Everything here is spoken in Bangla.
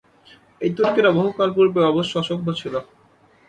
এই তুর্কীরা বহুকাল পূর্বে অবশ্য অসভ্য ছিল।